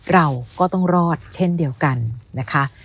เราก็ต้องรอดเช่นเดียวกันนะคะ